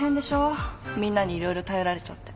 みんなにいろいろ頼られちゃって。